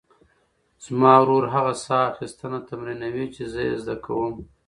زما ورور هغه ساه اخیستنه تمرینوي چې زه یې زده کوم.